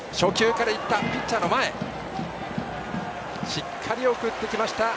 しっかり送ってきました。